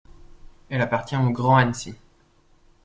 Elle appartient au Grand Annecy.